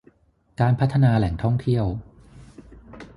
การพัฒนาแหล่งท่องเที่ยว